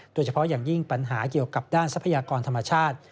โดยเฉพาะอย่างยิ่งปัญหาเกี่ยวกับด้านทรัพยากรธรรมชาติ